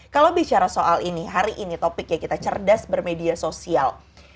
kalau bicara soal ini hari ini topiknya kita cerdas bermedia sosial